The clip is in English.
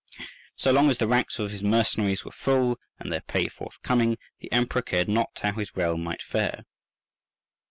So long as the ranks of his mercenaries were full and their pay forthcoming, the Emperor cared not how his realm might fare.